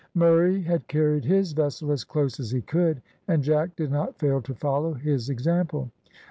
Murray had carried his vessel as close as he could, and Jack did not fail to follow his example.